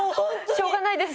しょうがないです。